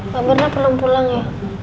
pamerna belum pulang ya